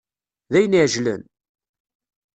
D ayen iεeǧlen?